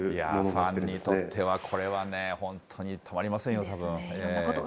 ファンにとってはね、これ、本当にたまりませんよ、たぶん。